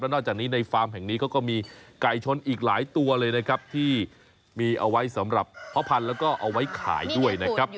นอกจากนี้ในฟาร์มแห่งนี้เขาก็มีไก่ชนอีกหลายตัวเลยนะครับที่มีเอาไว้สำหรับพ่อพันธุ์แล้วก็เอาไว้ขายด้วยนะครับ